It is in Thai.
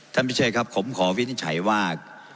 พิเชษครับผมขอวินิจฉัยว่า